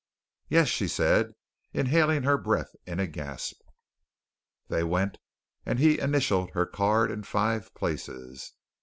"Yes," she said, inhaling her breath in a gasp. They went, and he initialled her card in five places.